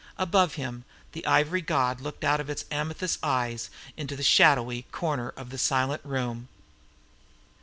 Above him, the ivory god looked out of its amethyst eyes into the shadowy corner of the silent room.